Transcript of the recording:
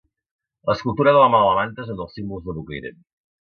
L'escultura de l'Home de la Manta és un dels símbols de Bocairent.